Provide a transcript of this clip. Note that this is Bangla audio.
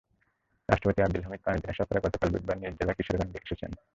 রাষ্ট্রপতি আবদুল হামিদ পাঁচ দিনের সফরে গতকাল বুধবার নিজ জেলা কিশোরগঞ্জে এসেছেন।